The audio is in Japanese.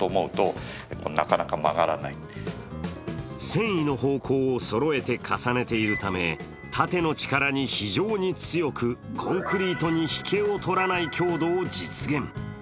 繊維の方向をそろえて重ねているため、縦の力に非常に強く、コンクリートに引けを取らない強度を実現。